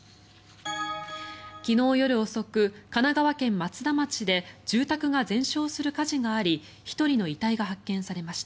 昨日夜遅く、神奈川県松田町で住宅が全焼する火事があり１人の遺体が発見されました。